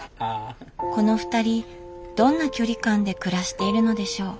このふたりどんな距離感で暮らしているのでしょう？